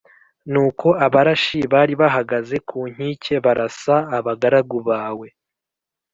Nuko abarashi bari bahagaze ku nkike barasa abagaragu bawe